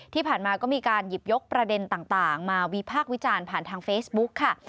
ที่ผ่านมาก็มีการหยิบยกประเด็นต่างมาวิพากษ์วิจารณ์ผ่านทางเฟซบุ๊กค่ะ